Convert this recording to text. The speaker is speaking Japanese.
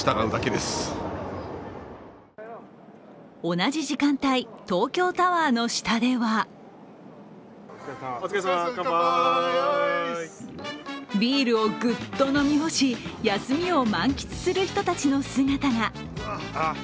同じ時間帯、東京タワーの下ではビールをぐっと飲み干し、休みを満喫する人たちの姿が。